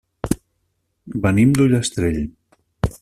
Venim d'Ullastrell.